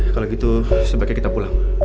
kalau gitu sebaiknya kita pulang